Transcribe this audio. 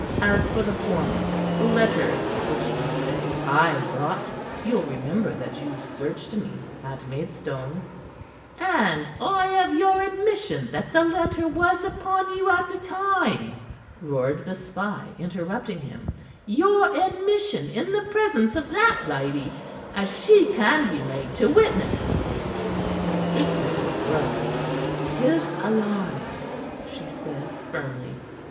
As for the former the letter which you say I brought you'll remember that you searched me at Maidstone " "And I have your admission that the letter was upon you at the time," roared the spy, interrupting him "your admission in the presence of that lady, as she can be made to witness." Mistress Winthrop rose. "'Tis a lie," she said firmly.